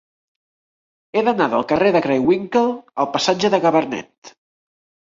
He d'anar del carrer de Craywinckel al passatge de Gabarnet.